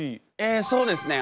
そうですね。